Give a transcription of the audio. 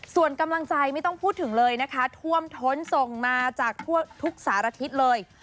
ส่วนกำลังใจไม่ต้องพูดถึงเลยนะคะท่วมท้นส่งมาจากทั่วทุกสารทิศเลย